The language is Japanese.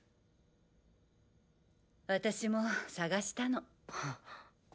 私も探したの。